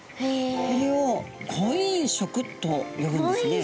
これを婚姻色と呼ぶんですね。